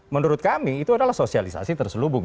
menurut kami itu adalah sosialisasi terselubung